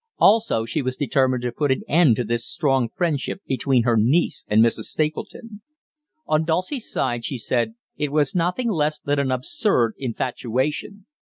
Also she was determined to put an end to this strong friendship between her niece and Mrs. Stapleton. On Dulcie's side, she said, it was nothing less than an absurd infatuation.